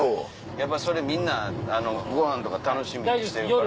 やっぱそれみんなご飯とか楽しみにしてるから。